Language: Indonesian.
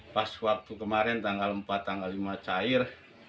pas waktu kemarin tanggal empat tanggal lima cair